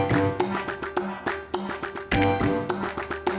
nggak siapa sudah tube nya horas asx ya